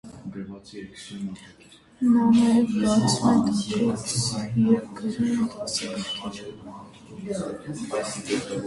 Նա նաև բացում է դպրոց և գրում դասագրքեր։